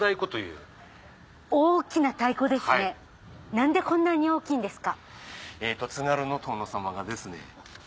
何でこんなに大きいんですか？